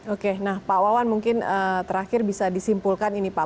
oke nah pak wawan mungkin terakhir bisa disimpulkan ini pak